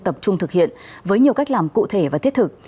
tập trung thực hiện với nhiều cách làm cụ thể và thiết thực